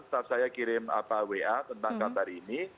staff saya kirim wa tentang kabar ini